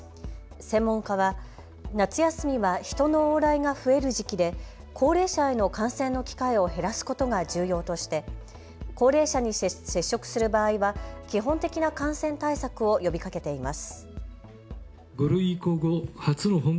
専門家は夏休みは人の往来が増える時期で高齢者への感染の機会を減らすことが重要として高齢者に接触する場合は基本的な感染対策を呼びかけています。